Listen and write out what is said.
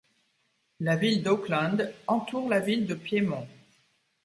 La ville d'Oakland entoure la ville de Piedmont.